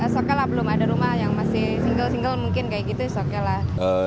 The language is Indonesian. sokelah belum ada rumah yang masih single single mungkin kayak gitu sokelah